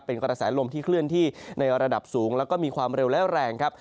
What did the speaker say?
เป็นกระแสลมที่เคลื่อนที่ในระดับสูงแล้วก็มีความเร็วและแรงครับ